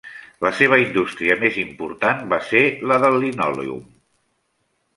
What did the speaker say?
La seva indústria més important va ser la del linòleum.